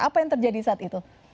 apa yang terjadi saat itu